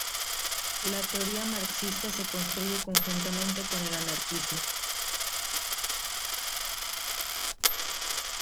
La teoría marxista se construye conjuntamente con el anarquismo.